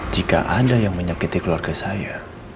jika ada yang menyakiti keluarga saya